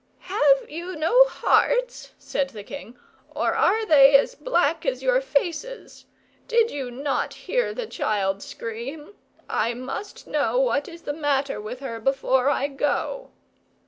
"Have you no hearts?" said the king; "or are they as black as your faces? Did you not hear the child scream? I must know what is the matter with her before I go."